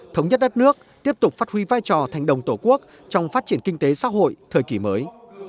thống nhất đất nước tiếp tục phát huy vai trò thành đồng tổ quốc trong phát triển kinh tế xã hội thời kỳ mới